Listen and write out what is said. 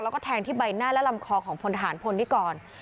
แล้วก็แทงที่ใบหน้าและลำคอของพลทหารพลนิกร